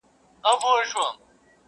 مرور سهار به خامخا ستنېږي.